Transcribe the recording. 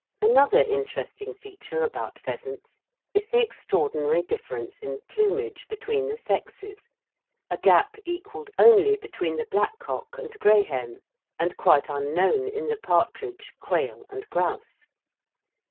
Another interesting feature about pheasants is the extraordinary difference in plumage between the sexes, a gap equalled only between the blackcock and greyhen and quite unknown in the partridge, quail and grouse.